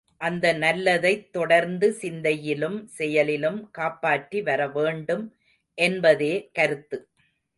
அந்த நல்லதைத் தொடர்ந்து சிந்தையிலும் செயலிலும் காப்பாற்றி வரவேண்டும் என்பதே கருத்து.